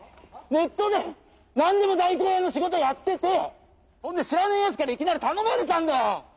ネットで何でも代行屋の仕事やっててほんで知らねえ奴からいきなり頼まれたんだよ！